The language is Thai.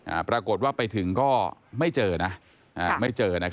อ่าปรากฏว่าไปถึงก็ไม่เจอนะ